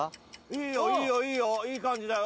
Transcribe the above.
いいよいいよいいよいい感じだよ。